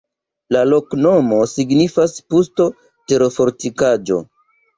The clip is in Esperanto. La loknomo signifas pusto-terofortikaĵo.